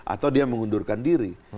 atau dia mengundurkan diri